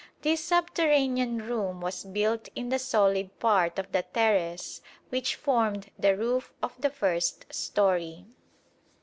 This subterranean room was built in the solid part of the terrace which formed the roof of the first storey.